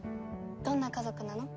どんな家族なの？